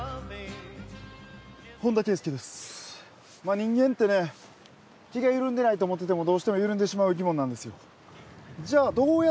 人間ってね気が緩んでないと思っててもどうしても緩んでしまう生き物なんですよ。